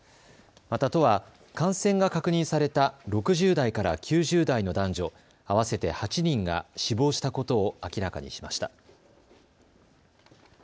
また都は感染が確認された６０代から９０代の男女合わせて８人が死亡したことを明らかにしました。